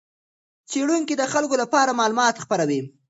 څېړونکي د خلکو لپاره معلومات خپروي.